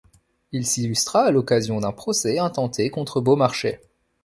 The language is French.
Il s'illustra à l'occasion d'un procès intenté contre Beaumarchais.